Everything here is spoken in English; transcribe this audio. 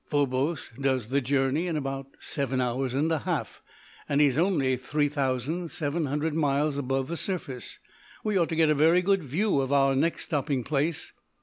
Phobos does the journey in about seven hours and a half, and as he's only three thousand seven hundred miles above the surface, we ought to get a very good view of our next stopping place."